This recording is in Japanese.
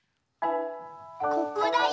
ここだよ。